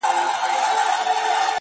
• تشېدل به د شرابو ډك خمونه,